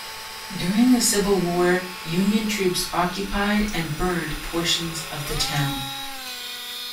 During the Civil War, Union troops occupied and burned portions of the town.